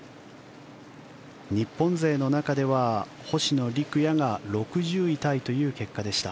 日本勢の中では星野陸也が６０位タイという結果でした。